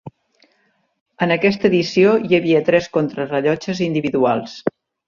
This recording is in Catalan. En aquesta edició hi havia tres contrarellotges individuals.